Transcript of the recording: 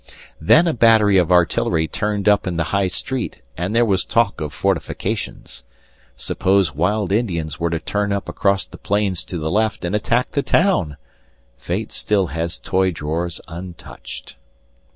Then a battery of artillery turned up in the High Street and there was talk of fortifications. Suppose wild Indians were to turn up across the plains to the left and attack the town! Fate still has toy drawers untouched...